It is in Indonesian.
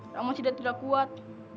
rahman tidak kuat